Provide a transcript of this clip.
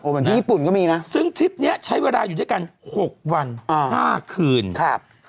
เหมือนที่ญี่ปุ่นก็มีนะซึ่งทริปเนี้ยใช้เวลาอยู่ด้วยกันหกวันห้าคืนครับ